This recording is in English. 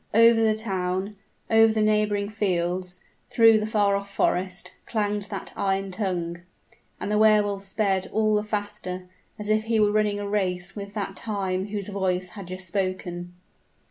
Over the town, over the neighboring fields through the far off forest, clanged that iron tongue: and the Wehr Wolf sped all the faster, as if he were running a race with that Time whose voice had just spoken.